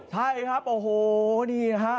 ใช่ครับโอ้โหนี่ฮะ